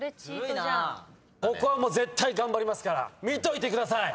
ここは絶対頑張りますから見といてください！